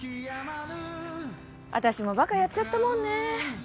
私も馬鹿やっちゃったもんね。